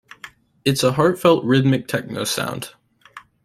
It's a heart-felt rhythmic techno sound.